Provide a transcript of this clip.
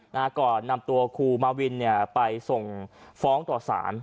นะฮะก่อนนำตัวครูมาวินเนี่ยไปส่งฟ้องต่อสาร